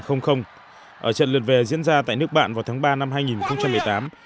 ở trận lượt về diễn ra tại nước bạn vào tháng ba năm hai nghìn một mươi tám